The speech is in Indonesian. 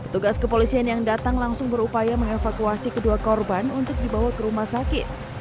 tugas kepolisian yang datang langsung berupaya mengevakuasi kedua korban untuk dibawa ke rumah sakit